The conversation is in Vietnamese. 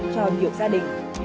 cho nhiều gia đình